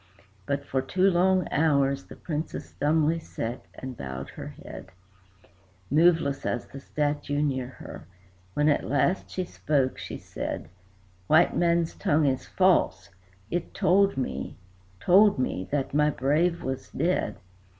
But for two long hours the Princess dumbly sate and bowed her head, Moveless as the statue near her. When at last she spake, she said: "White man's tongue is false. It told me told me that my brave was dead.